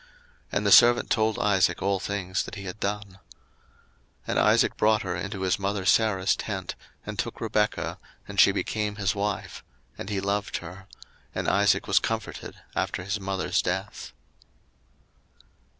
01:024:066 And the servant told Isaac all things that he had done. 01:024:067 And Isaac brought her into his mother Sarah's tent, and took Rebekah, and she became his wife; and he loved her: and Isaac was comforted after his mother's death.